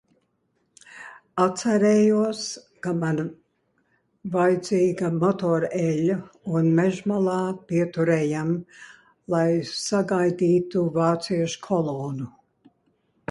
Atcerējos, ka man vaidzīga motoreļļa un mežmalā pieturējām, lai sagaidītu vāciešu kolonnu.